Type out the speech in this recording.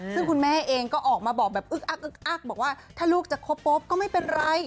ซึ่งคุณแม่เองก็ออกมาบอกแบบอึกอักอึกอักบอกว่าถ้าลูกจะคบปุ๊บก็ไม่เป็นไร